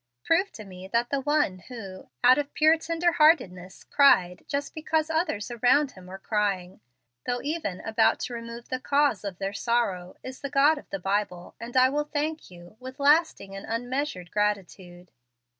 Prove to me that the One who, out of pure tender heartedness, cried just because others around Him were crying, though even about to remove the cause of their sorrow, is the God of the Bible, and I will thank you, with lasting and unmeasured gratitude.